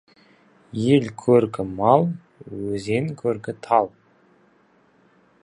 Ел көркі — мал, өзен көркі — тал.